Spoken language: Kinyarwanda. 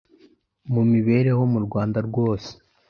n'imibereho mu Rwanda rwose